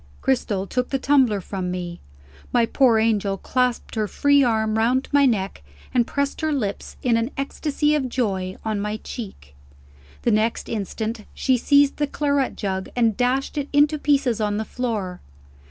Cristel took the tumbler from me. My poor angel clasped her free arm round my neck, and pressed her lips, in an ecstasy of joy, on my cheek. The next instant, she seized the claret jug, and dashed it into pieces on the floor.